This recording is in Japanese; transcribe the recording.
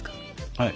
はい。